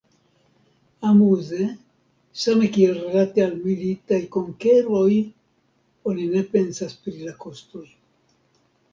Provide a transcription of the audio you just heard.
Amuze, same kiel rilate al militaj konkeroj oni ne pensas pri la kostoj.